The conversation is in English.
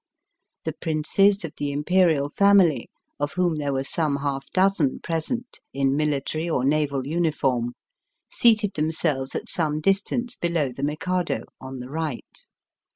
The princes of the Imperial family, of whom there were some half dozen present in miUtary or naval uni form, seated themselves at some distance below the Mikado, on the right.